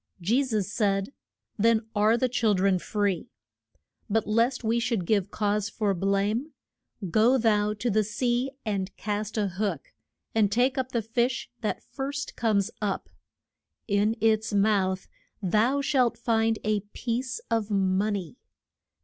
Je sus said, Then are the chil dren free. But lest we should give cause for blame, go thou to the sea, and cast a hook, and take up the fish that first comes up. In its mouth thou shalt find a piece of mon ey.